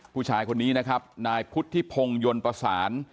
ผู้ชายคนนี้นะครับนายพุทธิพงศ์ยนต์ประสาน